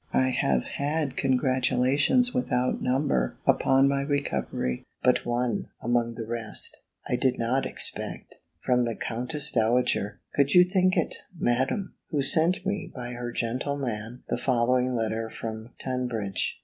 I have had congratulations without number upon my recovery; but one, among the rest, I did not expect; from the Countess Dowager (could you think it, Madam?) who sent me by her gentleman the following letter from Tunbridge.